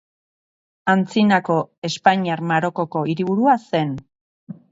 Antzinako Espainiar Marokoko hiriburua zen.